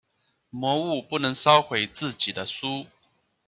魔物不能烧毁自己的书。